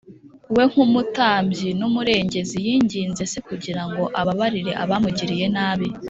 we nk’umutambyi n’umurengezi yinginze se kugira ngo ababarire abamugiriye nabi;